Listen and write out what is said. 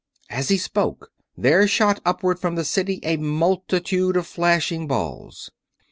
As he spoke there shot upward from the city a multitude of flashing balls.